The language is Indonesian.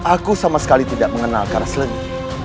aku sama sekali tidak mengenal kalas rengi